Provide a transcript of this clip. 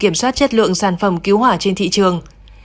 kiểm soát chất lượng sản phẩm cứu hỏa trên thị trường